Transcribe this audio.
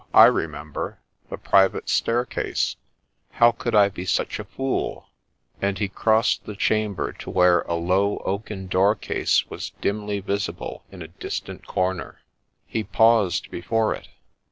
I remember — the private staircase ; how could I be such a fool T ' and he crossed the chamber to where a low oaken doorcase was dimly visible in a distant corner. He paused before it.